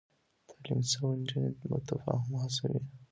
تعليم شوې نجونې تفاهم هڅوي.